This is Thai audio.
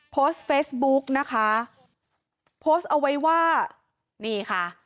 โพสต์เฟซบุ๊กนะคะโพสต์เอาไว้ว่านี่ค่ะ